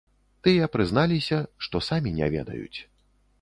Тыя прызналіся, што самі не ведаюць.